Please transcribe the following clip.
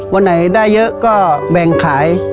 วันไหนได้เยอะก็แบ่งขาย